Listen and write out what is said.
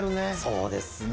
そうですね。